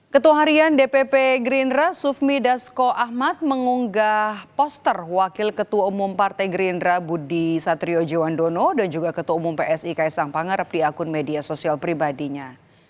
ketua harian dpp gerindra sufmi dasko ahmad mengunggah poster wakil ketua umum partai gerindra budi satriojiwandono dan juga ketua umum psi kaisang pangarep di akun media sosial pribadinya